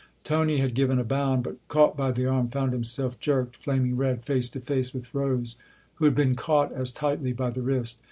Tony had given a bound, but, caught by the arm, found himself jerked, flaming red, face to face with Rose, who had been caught as tightly by the wrist.